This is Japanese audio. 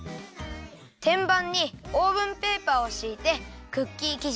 てんばんにオーブンペーパーをしいてクッキーきじをならべます。